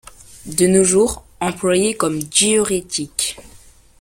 De nos jours, employé comme diurétique.